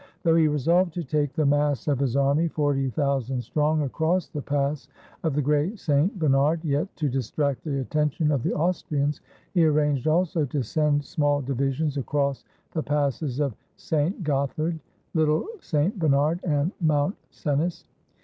Though he resolved to take the mass 117 ITALY of his army, forty thousand strong, across the pass of the Great St. Bernard, yet, to distract the attention of the Austrians, he arranged also to send small divisions across the passes of St. Gothard, Little St. Bernard, and Mount Cenis.